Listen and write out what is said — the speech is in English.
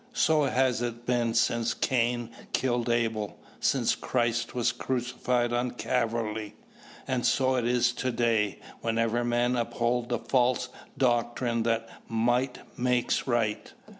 So has it been since Cain killed Abel, since Christ was crucified on Calvary, and so it is to day wherever men uphold the false doctrine that "might makes right."